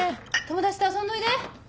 友達と遊んどいで。